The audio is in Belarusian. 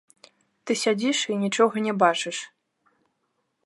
Ты сядзіш і нічога не бачыш.